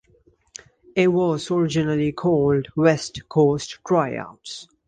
It was originally called "West Coast Tryouts".